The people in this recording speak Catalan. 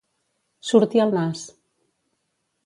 Sortir el nas.